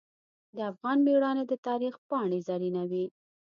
د افغان میړانه د تاریخ پاڼې زرینوي.